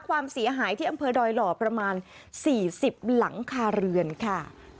ความเสียหายที่อำเภอดอยหล่อประมาณ๔๐หลังคาเรือนค่ะ